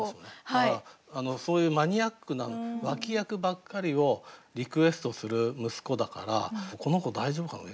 だからそういうマニアックな脇役ばっかりをリクエストする息子だからこの子大丈夫かな？